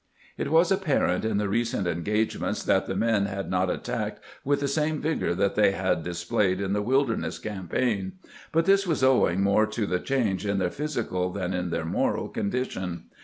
..." It was apparent in the recent engagements that the men had not attacked with the same vigor that they had dis played in the Wilderness campaign ; but this was owing more to the change in their physical than in their moral condition.